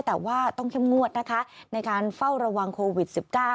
แต่ว่าต้องเข้มงวดนะคะในการเฝ้าระวังโควิด๑๙